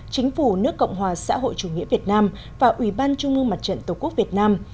chính phủ nước cộng hòa xã hội chủ nghĩa việt nam và ủy ban trung ương mặt trận tổ quốc việt nam